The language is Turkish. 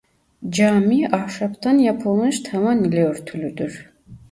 Cami ahşaptan yapılmış tavan ile örtülüdür.